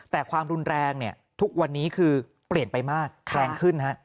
แต่ความรุนแรงทุกวันนี้คือเปลี่ยนไปมากแรงขึ้น